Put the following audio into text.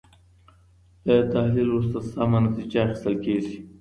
له تحلیل وروسته سمه نتیجه اخیستل کیږي.